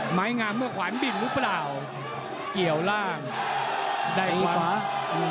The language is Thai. หมายงามก็ขวานบิ่นหรือเปล่าเกี่ยวร่างได้ความ